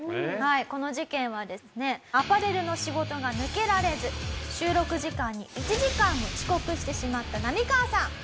この事件はですねアパレルの仕事が抜けられず収録時間に１時間も遅刻してしまったナミカワさん。